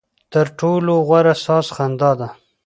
ترټولو غوره ساز خندا ده.